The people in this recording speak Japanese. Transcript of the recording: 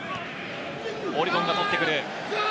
オリヴォンが取ってくる。